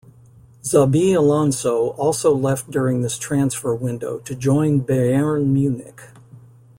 Xabi Alonso also left during this transfer window to join Bayern Munich.